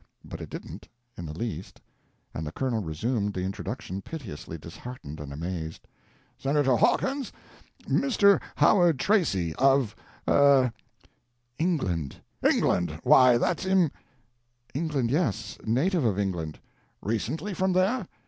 —but it didn't, in the least, and the Colonel resumed the introduction piteously disheartened and amazed),—"Senator Hawkins, Mr. Howard Tracy, of—er—" "England." "England!—Why that's im—" "England, yes, native of England." "Recently from there?"